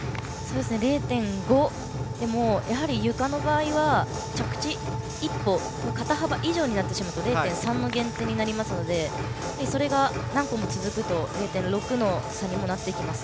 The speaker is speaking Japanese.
０．５でもやはり、ゆかの場合は着地１歩肩幅以上になってしまうと０．３の減点になりますのでそれが何個も続くと０．６の差にもなってきます。